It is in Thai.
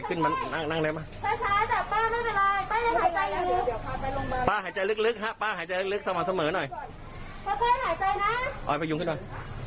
เอาให้ไปยุงขึ้นด้วย